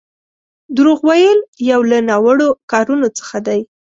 دروغ ويل يو له ناوړو کارونو څخه دی.